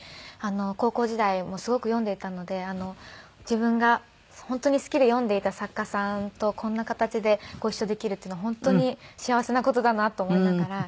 高校時代もすごく読んでいたので自分が本当に好きで読んでいた作家さんとこんな形でご一緒できるっていうのは本当に幸せな事だなと思いながら。